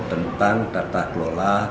tentang tata kelola